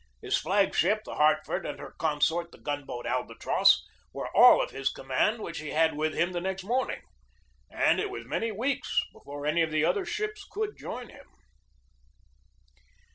His flag ship, the Hartford, and her consort, the gun boat Albatross, were all of his command which he had with him the next morning, and it was many weeks before any of the other ships could join him.